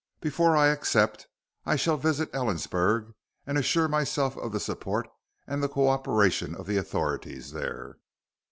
"Before I accept, I shall visit Ellensburg and assure myself of the support and the co operation of the authorities there.